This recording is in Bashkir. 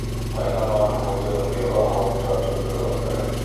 Ҡайнамаған һыуҙы быяла һауытта тондорорға кәрәк.